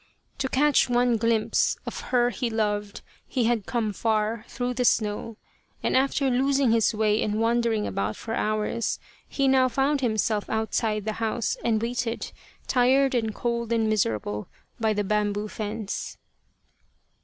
To catch one glimpse of her he loved he had come far through the snow, and after losing his way and wandering about for hours, he now found himself outside the house, and waited, tired and cold and miserable, by the bam boo fence.